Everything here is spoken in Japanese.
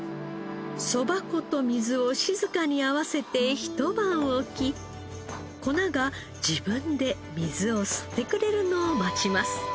そば粉と水を静かに合わせてひと晩置き粉が自分で水を吸ってくれるのを待ちます。